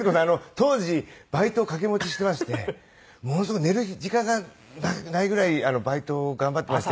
当時バイト掛け持ちしてましてものすごい寝る時間がないぐらいバイトを頑張ってまして。